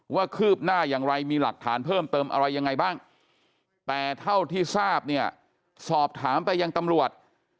คืบหน้าอย่างไรมีหลักฐานเพิ่มเติมอะไรยังไงบ้างแต่เท่าที่ทราบเนี่ยสอบถามไปยังตำรวจ